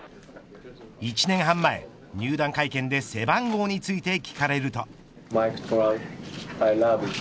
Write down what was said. １年半前、入団会見で背番号について聞かれると。